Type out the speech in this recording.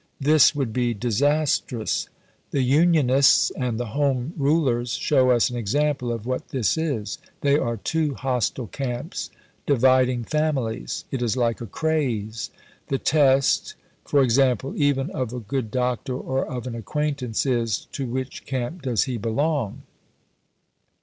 This would be disastrous. The Unionists and the Home Rulers show us an example of what this is. They are two hostile camps, dividing families. It is like a craze. The test, e.g. even of a good doctor or of an acquaintance is, to which camp does he belong?